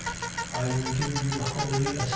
I will give you the holy, etc.